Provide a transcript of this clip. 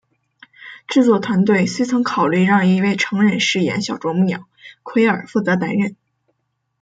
制作团队虽曾考虑让一位成人饰演小啄木鸟奎尔负责担任。